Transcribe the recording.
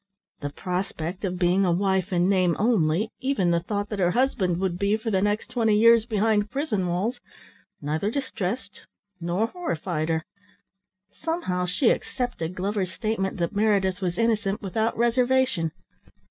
The prospect of being a wife in name only, even the thought that her husband would be, for the next twenty years, behind prison walls, neither distressed nor horrified her. Somehow she accepted Glover's statement that Meredith was innocent, without reservation.